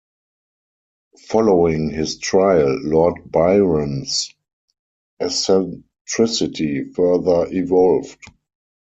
Following his trial, Lord Byron's eccentricity further evolved.